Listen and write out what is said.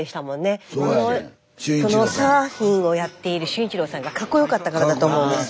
このサーフィンをやっている俊一郎さんがかっこよかったからだと思うんです。